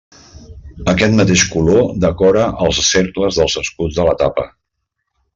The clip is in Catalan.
Aquest mateix color decora els cercles dels escuts de la tapa.